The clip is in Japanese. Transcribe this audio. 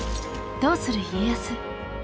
「どうする家康」。